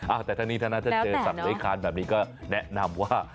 อ่าอ่ะแต่ท่านนี้ถ้านัทจะเจอศัพท์เลขทางแบบนี้ก็แนะนำว่า